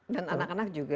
dan anak anak juga